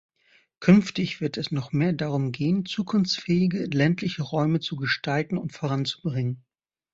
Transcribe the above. Künftig wird es noch mehr darum gehen, zukunftsfähige ländliche Räume zu gestalten und voranzubringen.